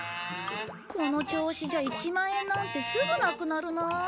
この調子じゃ１万円なんてすぐなくなるなあ。